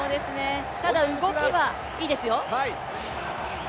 ただ、動きはいいですよ。